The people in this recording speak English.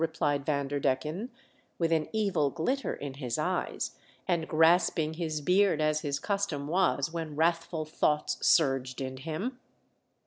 replied Vanderdecken, with an evil glitter in his eyes, and grasping his beard as his custom was when wrathful thoughts surged in him.